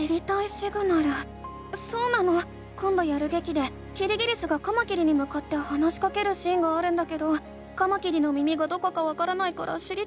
そうなのこんどやるげきでキリギリスがカマキリにむかって話しかけるシーンがあるんだけどカマキリの耳がどこかわからないから知りたいの。